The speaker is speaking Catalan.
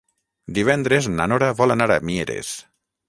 Divendres na Nora vol anar a Mieres.